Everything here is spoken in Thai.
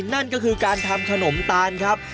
นั่นก็คือการทำขนมตาลครับ